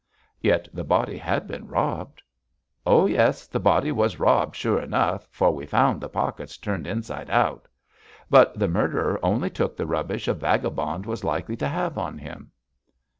'Yet the body had been robbed!' 'Oh, yes, the body was robbed sure enough, for we found the pockets turned inside out. But the murderer only took the rubbish a vagabond was likely to have on him.'